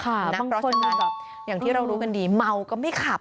บางคนแบบอย่างที่เรารู้กันดีเมาก็ไม่ขับ